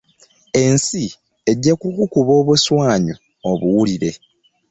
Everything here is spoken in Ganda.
Ensi ejja kukukuba obuswanyu obuwulire.